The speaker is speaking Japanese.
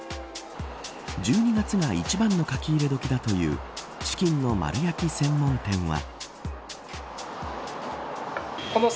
１２月が一番のかき入れ時だというチキンの丸焼き専門店は。